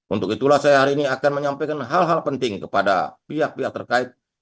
untuk itulah saya hari ini akan menyampaikan hal hal penting kepada pihak pihak terkait